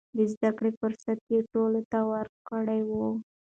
د زده کړې فرصت يې ټولو ته ورکړی و.